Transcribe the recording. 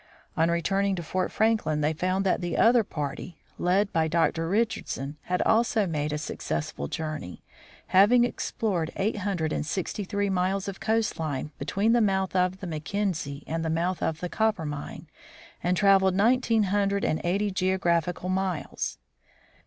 . On returning to Fort Franklin they found that the other party, led by 24 THE FROZEN NORTH Dr. Richardson, had also made a successful journey, having explored eight hundred and sixty three miles of coast line between the mouth of the Mackenzie and the mouth of the Coppermine, and traveled nineteen hundred and eighty 1 geographical miles.